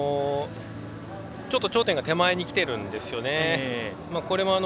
ちょっと頂点が手前にきてるんですよね。